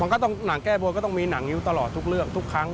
มันก็ต้องก็ต้องมีหนังยุ่อตลอดทุกเรื่องทุกครั้ง